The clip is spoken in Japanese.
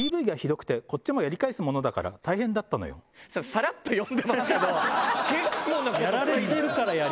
さらっと読んでますけど結構なこと。